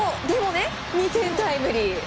でも２点タイムリー。